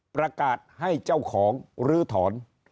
ประกาศให้เจ้าของลื้อถอน